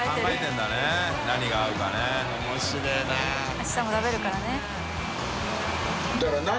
あしたも食べるからね。